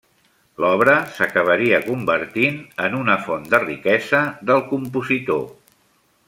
L'obra s'acabaria convertint en una font de riquesa del compositor.